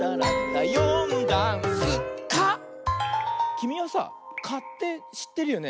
きみはさ「か」ってしってるよね？